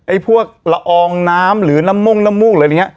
ไอ้พวกละอองน้ำหรือน้ำมุ้งอะไรอย่างนี้